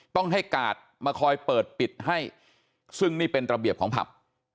ต้องให้กาดมาคอยเปิดปิดให้ซึ่งนี่เป็นระเบียบของผับ